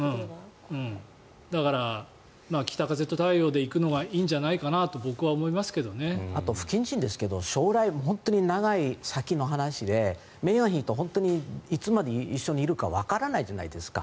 だから、「北風と太陽」で行くのがいいんじゃないかなとあと、不謹慎ですけど将来、長い先の話でメーガン妃と本当にいつまで一緒にいるかわからないじゃないですか。